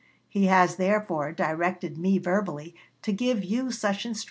He has, therefore, directed me verbally to give you such instructions.